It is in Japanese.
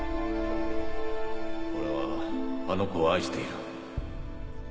俺はあの子を愛している。